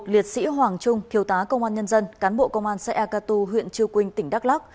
một liệt sĩ hoàng trung thiếu tá công an nhân dân cán bộ công an xã eca tu huyện chư quynh tỉnh đắk lắc